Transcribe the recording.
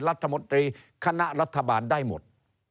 รัฐมนตรีคณะรัฐบาลได้หมด